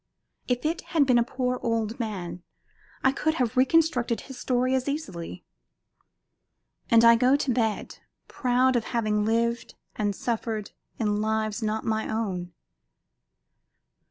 If it had been a poor old man I could have reconstructed his story as easily. And I go to bed, proud of having lived and suffered in lives not my own.